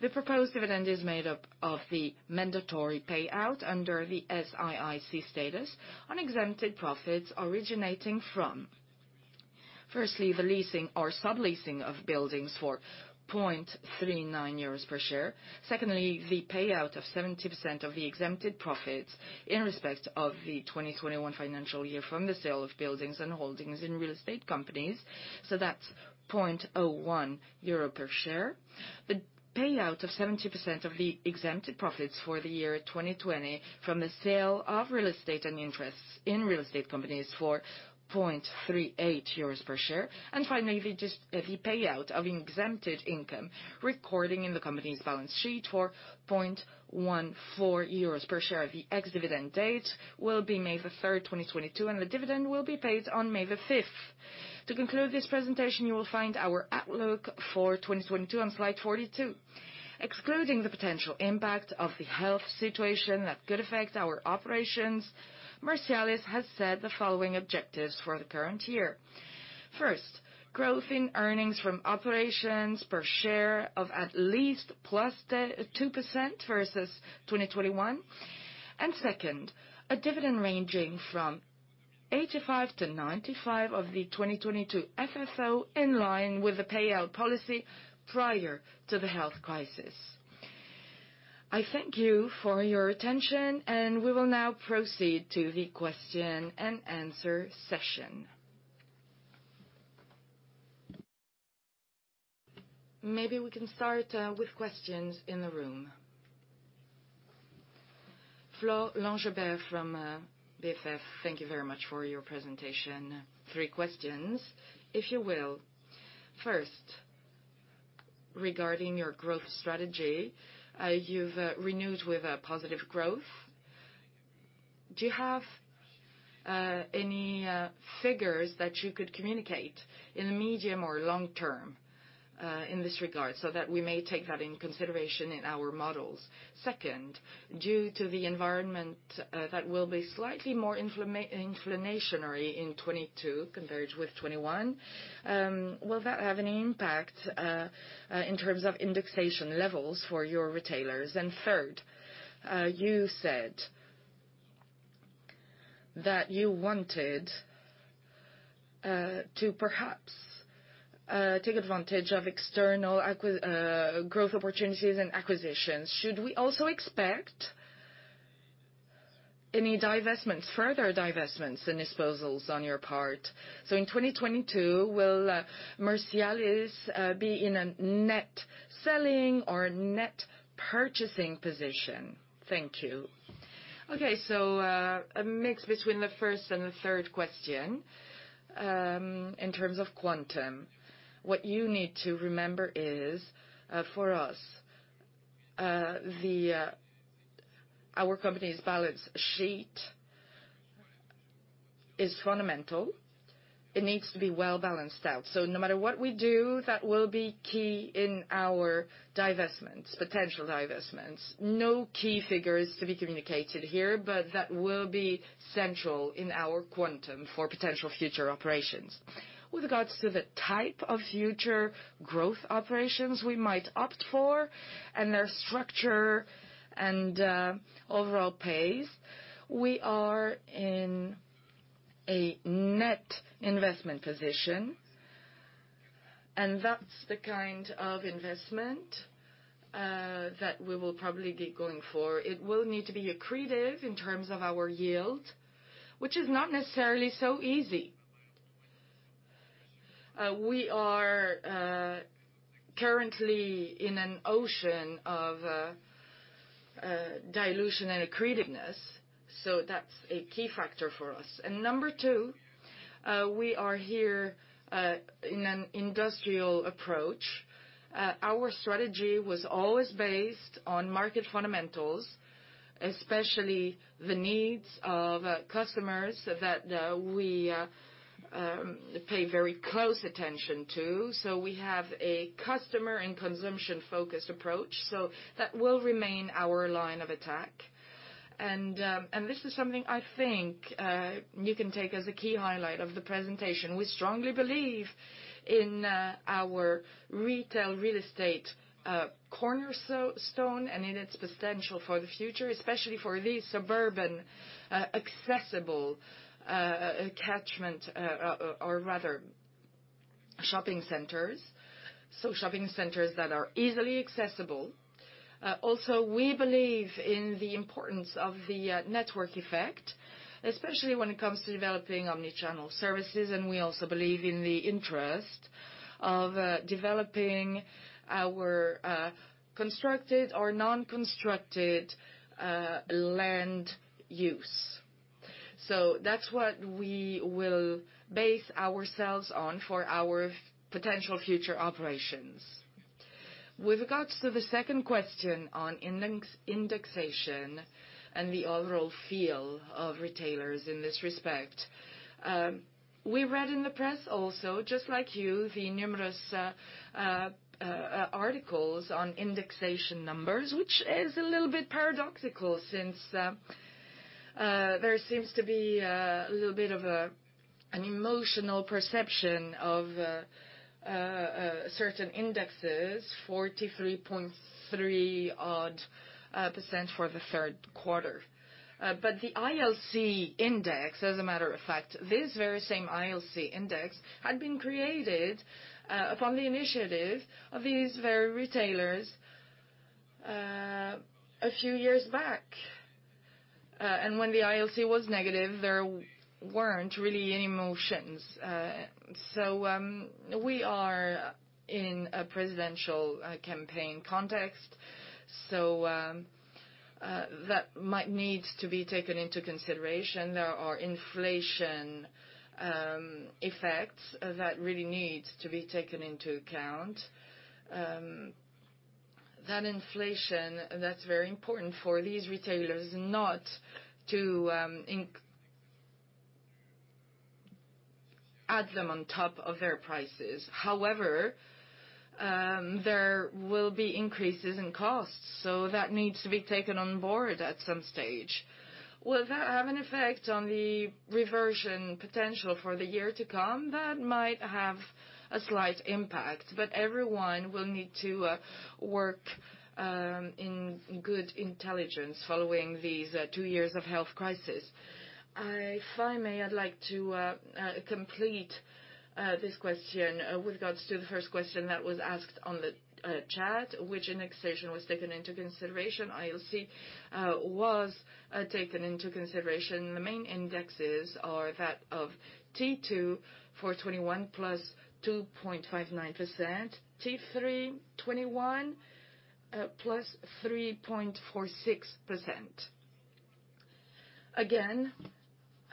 The proposed dividend is made up of the mandatory payout under the SIIC status on exempted profits originating from. Firstly, the leasing or subleasing of buildings for 0.39 euros per share. Secondly, the payout of 70% of the exempted profits in respect of the 2021 financial year from the sale of buildings and holdings in real estate companies. That's 0.01 euro per share. The payout of 70% of the exempted profits for the year 2020 from the sale of real estate and interests in real estate companies for 0.38 euros per share. And finally, the payout of exempted income recorded in the company's balance sheet for 0.14 euros per share. The ex-dividend date will be May 3rd, 2022, and the dividend will be paid on May 5th. To conclude this presentation, you will find our outlook for 2022 on slide 42. Excluding the potential impact of the health situation that could affect our operations, Mercialys has set the following objectives for the current year. First, growth in earnings from operations per share of at least +2% versus 2021. Second, a dividend ranging from 85%-95% of the 2022 FFO in line with the payout policy prior to the health crisis. I thank you for your attention, and we will now proceed to the question and answer session. Maybe we can start with questions in the room. Florent Laroche-Joubert from Oddo BHF, thank you very much for your presentation. Three questions, if you will. First, regarding your growth strategy, you've renewed with a positive growth. Do you have any figures that you could communicate in the medium or long term in this regard so that we may take that in consideration in our models? Second, due to the environment that will be slightly more inflationary in 2022 compared with 2021, will that have any impact in terms of indexation levels for your retailers? Third, you said that you wanted to perhaps take advantage of external growth opportunities and acquisitions. Should we also expect any divestments, further divestments and disposals on your part? In 2022, will Mercialys be in a net selling or net purchasing position? Thank you. Okay. A mix between the first and the third question in terms of quantum. What you need to remember is, for us, the... Our company's balance sheet is fundamental. It needs to be well-balanced out. No matter what we do, that will be key in our divestments, potential divestments. No key figures to be communicated here, but that will be central in our quantum for potential future operations. With regards to the type of future growth operations we might opt for and their structure and overall pace, we are in a net investment position, and that's the kind of investment that we will probably be going for. It will need to be accretive in terms of our yield, which is not necessarily so easy. We are currently in an ocean of dilution and accretiveness, so that's a key factor for us. Number two, we are here in an industrial approach. Our strategy was always based on market fundamentals, especially the needs of customers that we pay very close attention to. We have a customer and consumption-focused approach, so that will remain our line of attack. This is something I think you can take as a key highlight of the presentation. We strongly believe in our retail real estate cornerstone and in its potential for the future, especially for these suburban accessible shopping centers, shopping centers that are easily accessible. We believe in the importance of the network effect, especially when it comes to developing omnichannel services, and we also believe in the interest of developing our constructed or non-constructed land use. That's what we will base ourselves on for our potential future operations. With regards to the second question on indices, indexation and the overall feel of retailers in this respect, we read in the press also, just like you, the numerous articles on indexation numbers, which is a little bit paradoxical since there seems to be a little bit of an emotional perception of certain indices 43.3-odd percent for the third quarter. The ILC index, as a matter of fact, this very same ILC index had been created upon the initiative of these very retailers a few years back. When the ILC was negative, there weren't really any emotions. We are in a presidential campaign context, that might need to be taken into consideration. There are inflation effects that really need to be taken into account. That inflation, that's very important for these retailers not to add them on top of their prices. However, there will be increases in costs, so that needs to be taken on board at some stage. Will that have an effect on the reversion potential for the year to come? That might have a slight impact, but everyone will need to work in good intelligence following these two years of health crisis. If I may, I'd like to complete this question with regards to the first question that was asked on the chat. Which indexation was taken into consideration? ILC was taken into consideration. The main indexes are that of T2 for 2021 +2.59%, T3 2021 +3.46%. Again,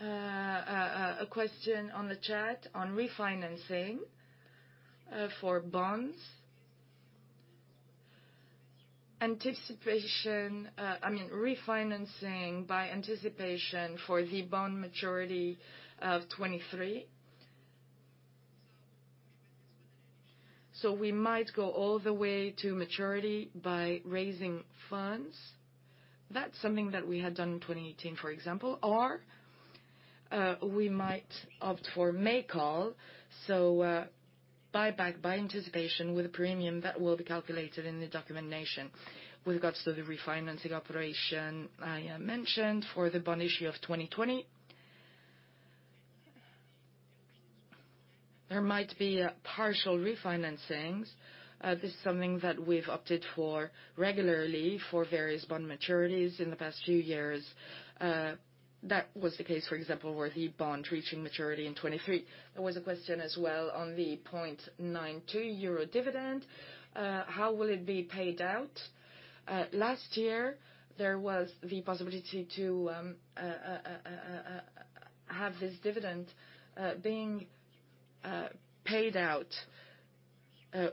a question on the chat on refinancing for bonds. I mean, refinancing by anticipation for the bond maturity of 2023. We might go all the way to maturity by raising funds. That's something that we had done in 2018, for example. Or, we might opt for make-whole, so buyback by anticipation with a premium that will be calculated in the documentation. With regards to the refinancing operation I mentioned for the bond issue of 2020. There might be partial refinancings. This is something that we've opted for regularly for various bond maturities in the past few years. That was the case, for example, with the bond reaching maturity in 2023. There was a question as well on the 0.92 euro dividend. How will it be paid out? Last year, there was the possibility to have this dividend being paid out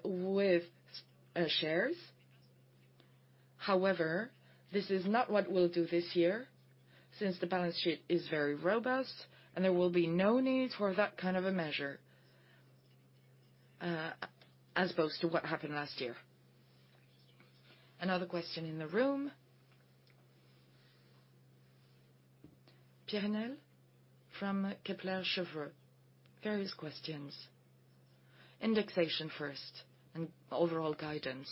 with shares. However, this is not what we'll do this year, since the balance sheet is very robust and there will be no need for that kind of a measure, as opposed to what happened last year. Another question in the room. Pierre Yannel from Kepler Cheuvreux. Various questions. Indexation first and overall guidance.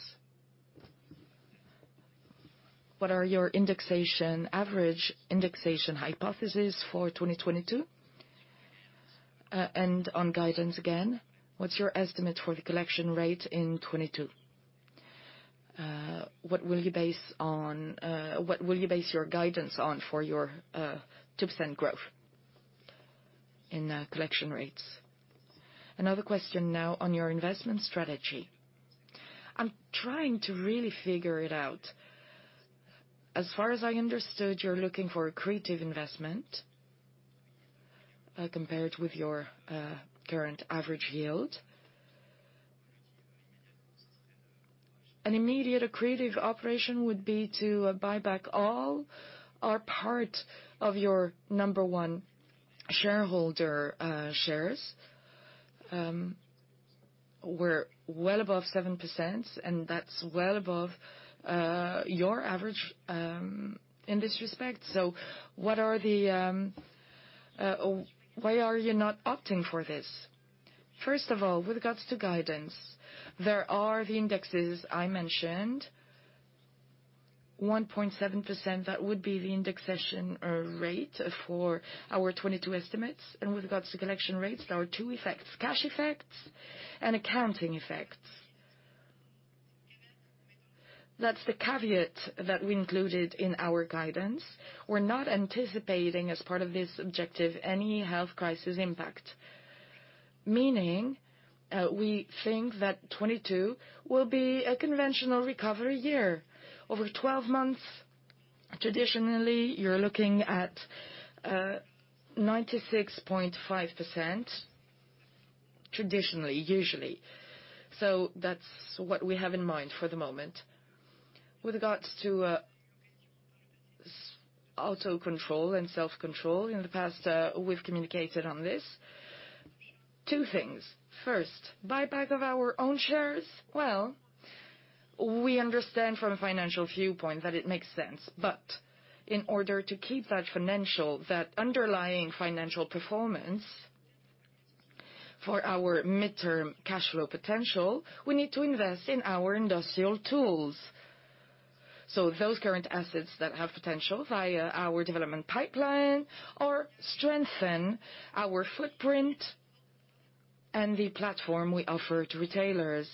What are your indexation, average indexation hypothesis for 2022? On guidance, again, what's your estimate for the collection rate in 2022? What will you base your guidance on for your 2% growth in collection rates? Another question now on your investment strategy. I'm trying to really figure it out. As far as I understood, you're looking for accretive investment compared with your current average yield. An immediate accretive operation would be to buy back all or part of your number one shareholder shares. We're well above 7%, and that's well above your average in this respect. What are the why are you not opting for this? First of all, with regards to guidance, there are the indexes I mentioned. 1.7%, that would be the indexation rate for our 2022 estimates. With regards to collection rates, there are two effects, cash effects and accounting effects. That's the caveat that we included in our guidance. We're not anticipating, as part of this objective, any health crisis impact, meaning, we think that 2022 will be a conventional recovery year. Over 12 months, traditionally, you're looking at 96.5%, traditionally, usually. That's what we have in mind for the moment. With regards to self-control, in the past, we've communicated on this. Two things. First, buyback of our own shares. Well, we understand from a financial viewpoint that it makes sense. But in order to keep that financial, that underlying financial performance for our midterm cash flow potential, we need to invest in our industrial tools. Those current assets that have potential via our development pipeline or strengthen our footprint and the platform we offer to retailers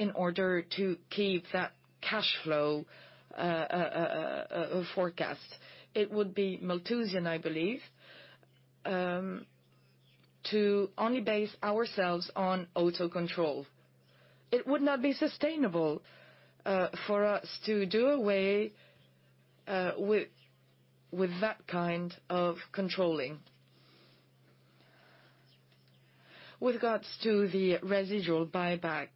in order to keep that cash flow forecast. It would be Malthusian, I believe, to only base ourselves on auto control. It would not be sustainable for us to do away with that kind of controlling. With regards to the residual buyback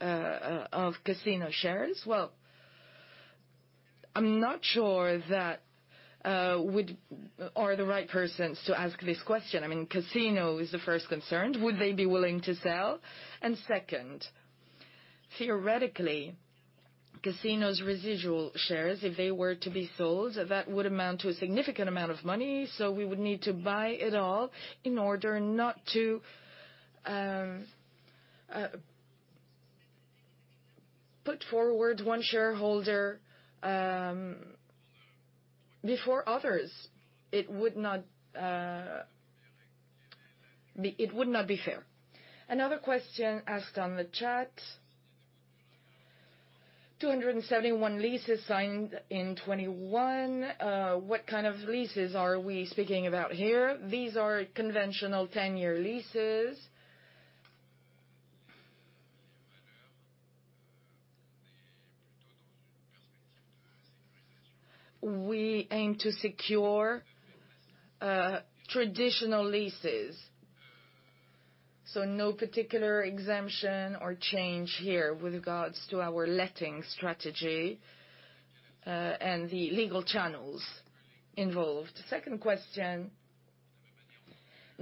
of Casino shares, well, I'm not sure that we are the right persons to ask this question. I mean, Casino is the first concerned. Would they be willing to sell? Second, theoretically, Casino's residual shares, if they were to be sold, that would amount to a significant amount of money. We would need to buy it all in order not to put forward one shareholder before others. It would not be fair. Another question asked on the chat. 271 leases signed in 2021. What kind of leases are we speaking about here? These are conventional 10-year leases. We aim to secure traditional leases, so no particular exemption or change here with regards to our letting strategy and the legal channels involved. Second question,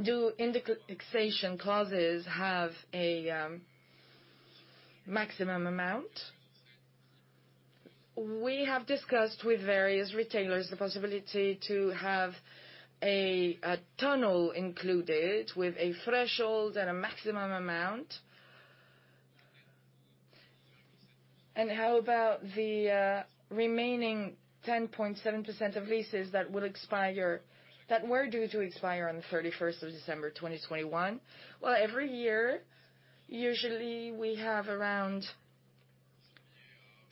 do indexation clauses have a maximum amount? We have discussed with various retailers the possibility to have a tunnel included with a threshold and a maximum amount. How about the remaining 10.7% of leases that were due to expire on the 31st of December 2021? Well, every year, usually we have around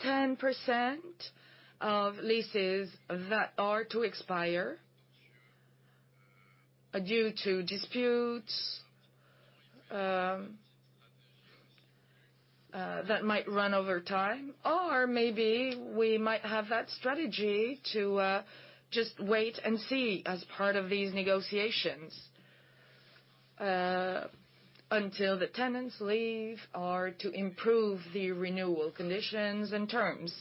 10% of leases that are to expire due to disputes that might run over time. Maybe we might have that strategy to just wait and see as part of these negotiations until the tenants leave or to improve the renewal conditions and terms.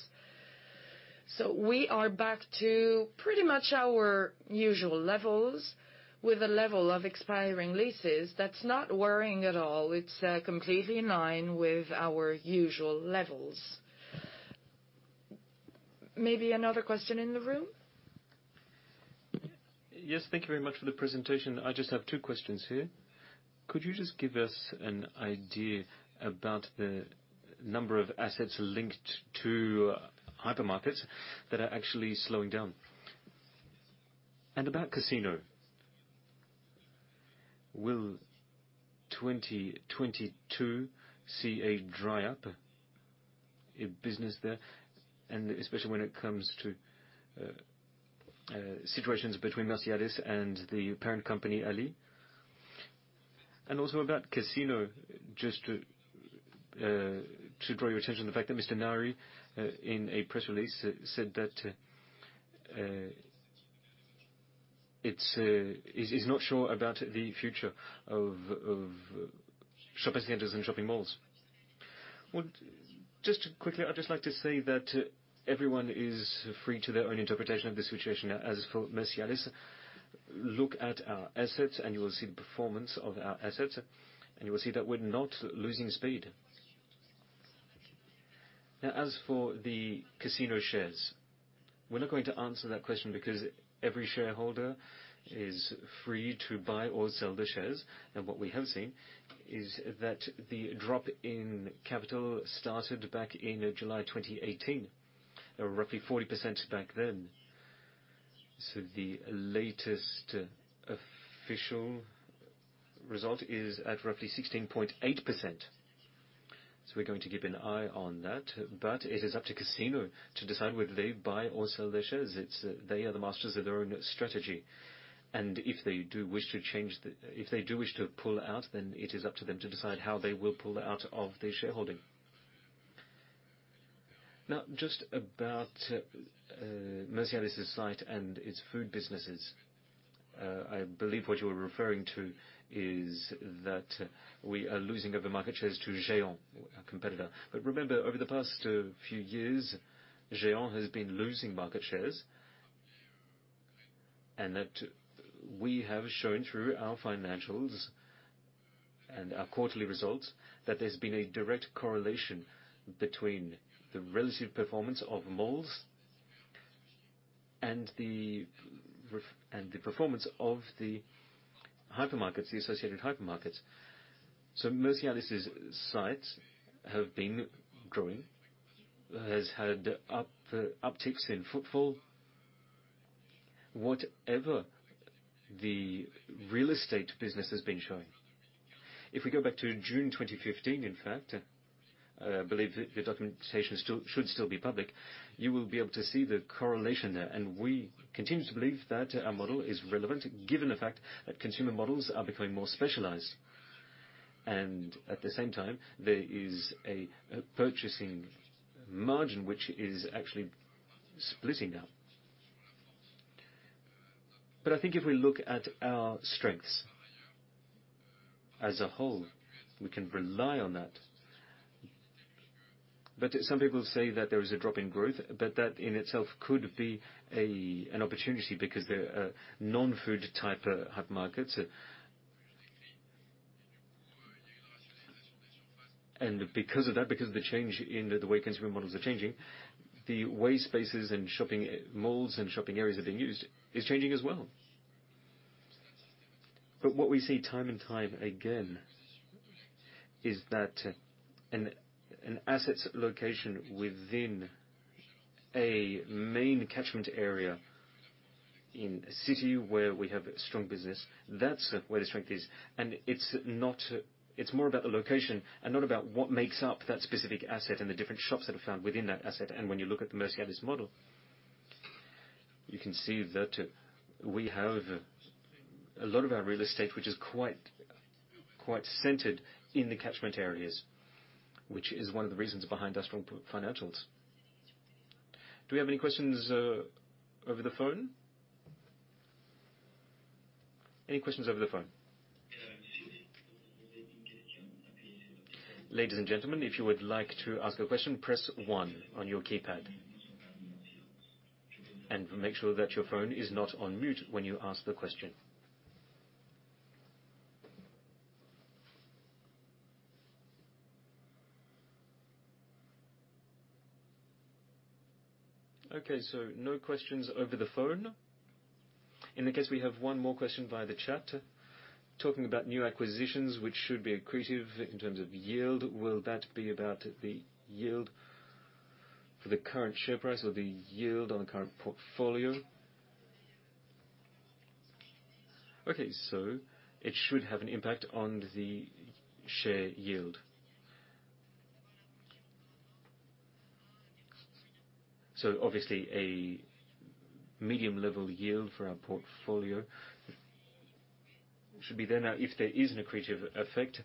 We are back to pretty much our usual levels with a level of expiring leases that's not worrying at all. It's completely in line with our usual levels. Maybe another question in the room. Yes. Thank you very much for the presentation. I just have two questions here. Could you just give us an idea about the number of assets linked to hypermarkets that are actually slowing down? About Casino, will 2022 see a dry up in business there, and especially when it comes to situations between Mercialys and the parent company, Rallye? Also about Casino, just to draw your attention to the fact that Mr. Naouri in a press release said that he's not sure about the future of shopping centers and shopping malls. Well, just quickly, I'd just like to say that everyone is free to their own interpretation of the situation. As for Mercialys, look at our assets, and you will see the performance of our assets, and you will see that we're not losing speed. Now, as for the Casino shares, we're not going to answer that question because every shareholder is free to buy or sell the shares. What we have seen is that the drop in capital started back in July 2018, roughly 40% back then. The latest official result is at roughly 16.8%. We're going to keep an eye on that. It is up to Casino to decide whether they buy or sell their shares. It's, they are the masters of their own strategy. If they do wish to change the... If they do wish to pull out, then it is up to them to decide how they will pull out of their shareholding. Now, just about Mercialys' side and its food businesses. I believe what you're referring to is that we are losing our market shares to GÉANT, a competitor. Remember, over the past few years, GÉANT has been losing market shares. That we have shown through our financials and our quarterly results that there's been a direct correlation between the relative performance of malls and the performance of the hypermarkets, the associated hypermarkets. Mercialys' sites have been growing and have had upticks in footfall, whatever the real estate business has been showing. If we go back to June 2015, in fact, I believe the documentation is still and should still be public, you will be able to see the correlation there. We continue to believe that our model is relevant given the fact that consumer models are becoming more specialized. At the same time, there is a purchasing margin which is actually splitting now. I think if we look at our strengths as a whole, we can rely on that. Some people say that there is a drop in growth, but that in itself could be an opportunity because there are non-food type hyper markets. Because of that, because of the change in the way consumer models are changing, the way spaces and shopping malls and shopping areas are being used is changing as well. What we see time and time again is that an asset's location within a main catchment area in a city where we have strong business, that's where the strength is. It's more about the location and not about what makes up that specific asset and the different shops that are found within that asset. When you look at the Mercialys model, you can see that we have a lot of our real estate, which is quite centered in the catchment areas, which is one of the reasons behind our strong financials. Do we have any questions over the phone? Any questions over the phone? Ladies and gentlemen, if you would like to ask a question, press one on your keypad. Make sure that your phone is not on mute when you ask the question. Okay, no questions over the phone. In that case, we have one more question via the chat. Talking about new acquisitions, which should be accretive in terms of yield. Will that be about the yield for the current share price or the yield on the current portfolio? Okay. It should have an impact on the share yield. Obviously a medium level yield for our portfolio should be there now. If there is an accretive effect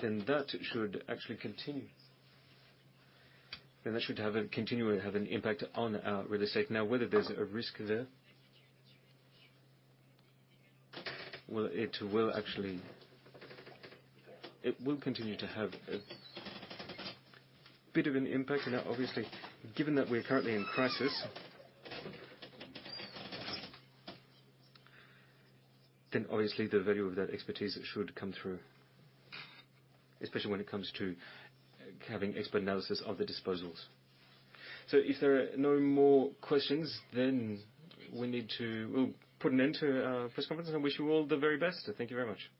then that should actually continue. Continue to have an impact on our real estate. Now, whether there's a risk there, it will continue to have a bit of an impact. Now, obviously, given that we're currently in crisis then obviously the value of that expertise should come through, especially when it comes to having expert analysis of the disposals. If there are no more questions, we'll put an end to our press conference, and wish you all the very best. Thank you very much.